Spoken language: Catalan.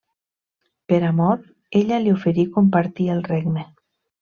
Per amor, ella li oferí compartir el regne.